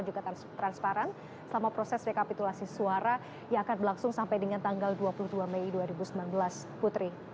juga transparan selama proses rekapitulasi suara yang akan berlangsung sampai dengan tanggal dua puluh dua mei dua ribu sembilan belas putri